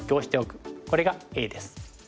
これがＡです。